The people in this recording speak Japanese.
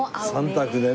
３択でね。